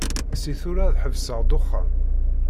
Si tura ad ḥebseɣ ddexxan.